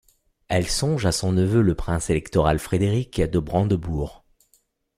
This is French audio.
Elle songe à son neveu le prince électoral Frédéric de Brandebourg.